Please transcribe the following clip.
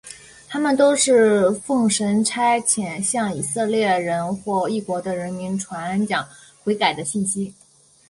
他们都是奉神差遣向以色列人或异国的人民传讲悔改的信息。